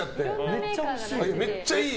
めっちゃ欲しい。